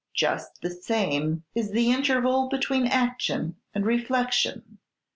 Just the same is the interval between action and reflection.